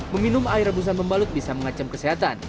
meminum air rebusan pembalut bisa mengancam kesehatan